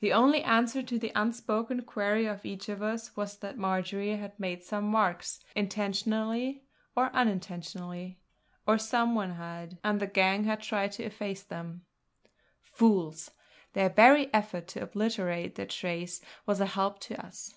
The only answer to the unspoken query of each of us was that Marjory had made some marks, intentionally or unintentionally or some one had; and the gang had tried to efface them. Fools! their very effort to obliterate their trace was a help to us.